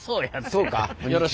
そうか。